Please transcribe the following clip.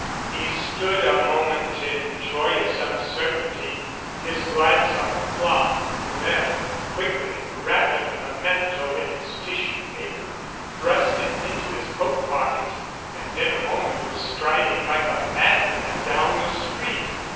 He stood a moment in j oy ous uncertainty, his glance on the clock, then, quickly wrapping the memento in its tissue paper, thrust it into his coat pocket and in a moment was striding like a mad man down the street.